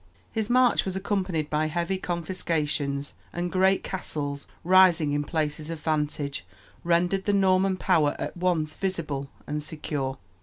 His march was accompanied by heavy confiscations, and great castles, rising in places of vantage, rendered the Norman power at once visible and secure.